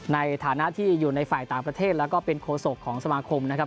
ในฐานะที่อยู่ในฝ่ายต่างประเทศแล้วก็เป็นโคศกของสมาคมนะครับ